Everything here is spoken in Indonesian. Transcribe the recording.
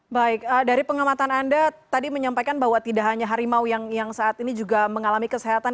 baik dari pengamatan anda tadi menyampaikan bahwa tidak hanya harimau yang saat ini juga mengalami kesehatan